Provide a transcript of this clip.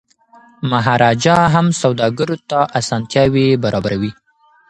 مهاراجا هم سوداګرو ته اسانتیاوي برابروي.